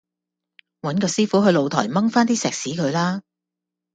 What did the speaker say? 搵個師傅去露台忟番啲石屎佢啦